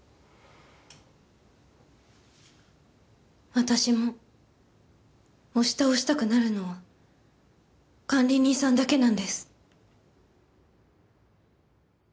私も押し倒したくなるのは管理人さんだけなんです。